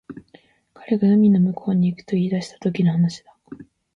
彼が海の向こうに行くと言い出したときの話だ